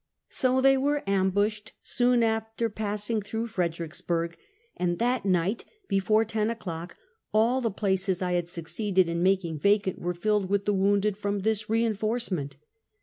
So they were ambushed soon after passing through Fredericksburg; and that night, before ten o'clock, all the places I had succeeded in making vacant were filled with the wounded from this reinforcement.